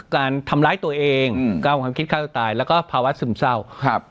การทำร้ายตัวเองอืมการเอาความคิดฆ่าตัวตายแล้วก็ภาวะซึมเศร้าครับ